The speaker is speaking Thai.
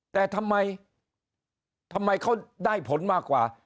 แต่ทำไมทำไมเขาได้ผลมากกว่า